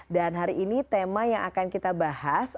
dan hari ini tema yang akan kita bahas